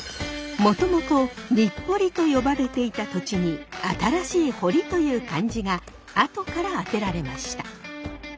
もともとにっぽりと呼ばれていた土地に新しい堀という漢字が後から当てられました。